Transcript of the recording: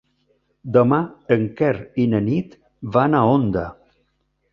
Demà en Quer i na Nit van a Onda.